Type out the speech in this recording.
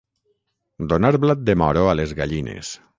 Donar blat de moro a les gallines.